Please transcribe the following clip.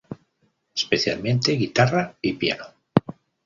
Especialmente guitarra y piano.